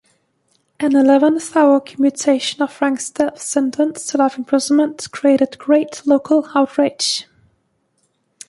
An eleventh-hour commutation of Frank's death sentence to life imprisonment created great local outrage.